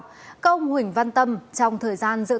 các ông huỳnh văn tâm trong thời gian dựng